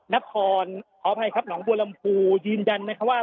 นครขออภัยครับหนองบัวลำพูยืนยันนะครับว่า